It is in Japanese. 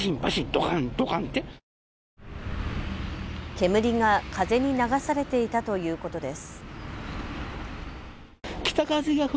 煙が風に流されていたということです。